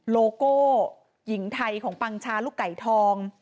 โลโก้หญิงไทยของปังชาลูกไก่ทอง